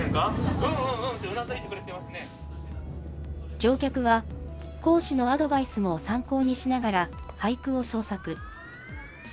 乗客は、講師のアドバイスも参考にしながら俳句を創作。